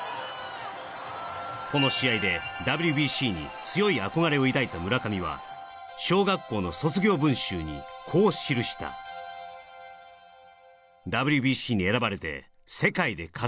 この試合でＷＢＣに強い憧れを抱いた村上は小学校の卒業文集にこう記したそうですね